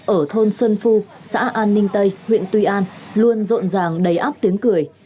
ở thôn xuân phu xã an ninh tây huyện tuy an luôn rộn ràng đầy áp tiếng cười